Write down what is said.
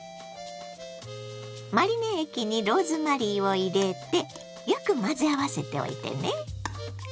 マリネ液にローズマリーを入れてよく混ぜ合わせておいてね。